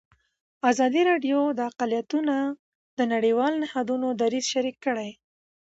ازادي راډیو د اقلیتونه د نړیوالو نهادونو دریځ شریک کړی.